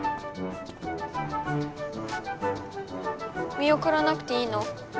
見おくらなくていいの？